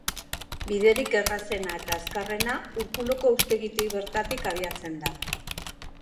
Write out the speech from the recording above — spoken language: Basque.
Biderik errazena eta azkarrena, Urkuluko urtegitik bertatik abiatzen da.